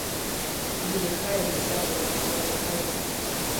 لورې خیر دی صبر وکړه خدای به خیر کړي